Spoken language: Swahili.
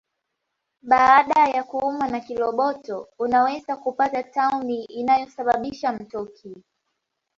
Baada ya kuumwa na kiroboto unaweza kupata tauni inayosababisha mtoki